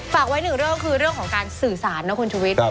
ฝากไว้หนึ่งเรื่องคือเรื่องของการสื่อสารนะคุณชุวิต